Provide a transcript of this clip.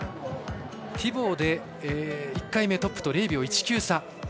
ティボーで１回目トップと０秒１９差。